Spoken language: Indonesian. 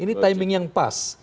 ini timing yang pas